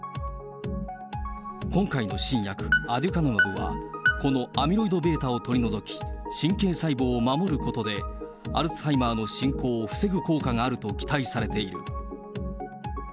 今回の新薬、アデュカヌマブは、このアミロイドβを取り除き、神経細胞を守ることで、アルツハイマーの進行を防ぐ効果があると期待されている。